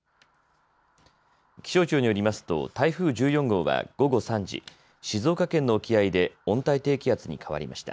気象庁によりますと台風１４号は午後３時、静岡県の沖合で温帯低気圧に変わりました。